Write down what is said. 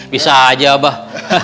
bisa aja pak